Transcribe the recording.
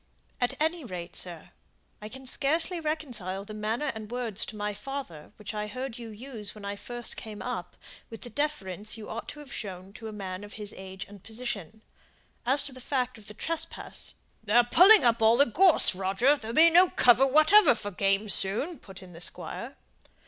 "At any rate, sir! I can scarcely reconcile the manner and words to my father, which I heard you use when I first came up, with the deference you ought to have shown to a man of his age and position. As to the fact of the trespass " "They are pulling up all the gorse, Roger there'll be no cover whatever for game soon," put in the Squire.